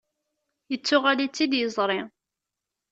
Yettuɣal-itt-id yiẓri.